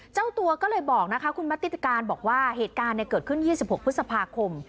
เจ้าตัวก็เลยบอกนะคะคุณมติการบอกว่าเหตุการณ์เกิดขึ้น๒๖พฤษภาคม